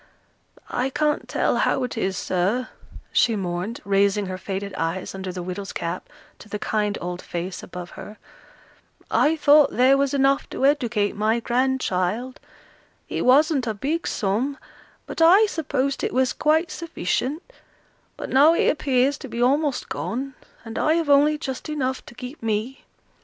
"I can't tell how it is, sir," she mourned, raising her faded eyes under the widow's cap to the kind old face above her, "I thought there was enough to educate my grandchild; it wasn't a big sum, but I supposed it was quite sufficient; but now it appears to be almost gone, and I have only just enough to keep me."